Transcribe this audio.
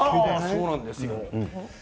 そうなんですよ。